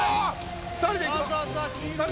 ２人で行く？